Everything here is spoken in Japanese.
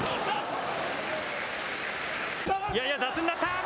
やや雑になった。